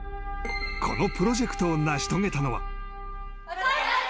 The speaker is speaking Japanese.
このプロジェクトを成し遂げたのは。